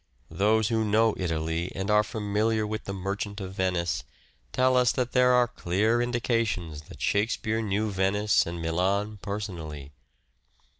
Those who know Italy and are familiar with the " Merchant of Venice " tell us that there are clear indications that Shakespeare knew Venice and Milan personally.